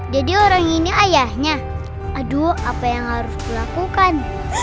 jadi orang ini ayahnya aduh apa yang harus dilakukan